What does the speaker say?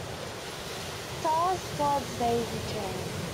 Stars God's daisy chain.